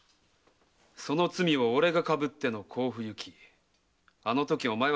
その罪を俺が被っての甲府行きあのときお前は何と言った？